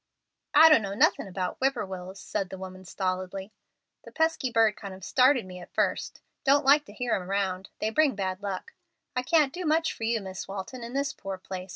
"I dunno nothin' about whippoorwills," said the woman, stolidly. "The pesky bird kind o' started me at first. Don't like to hear 'em round. They bring bad luck. I can't do much for you, Miss Walton, in this poor place.